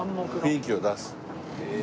雰囲気を出す。